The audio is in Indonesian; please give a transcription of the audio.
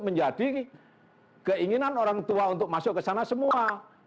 menjadi keinginan orang tua untuk masuk ke sana semua